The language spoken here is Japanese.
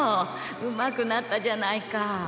うまくなったじゃないか。